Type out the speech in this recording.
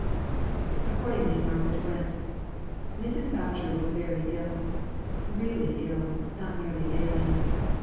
Accordingly Margaret went. Mrs. Boucher was very ill; really ill not merely ailing.